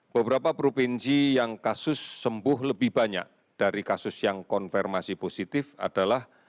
beberapa provinsi yang kasus sembuh lebih banyak dari kasus yang konfirmasi positif adalah